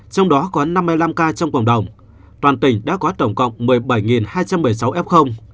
trong đó có năm mươi năm ca trong cộng đồng toàn tỉnh đã có tổng cộng một mươi bảy hai trăm một mươi sáu f